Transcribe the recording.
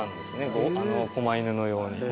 こま犬のように。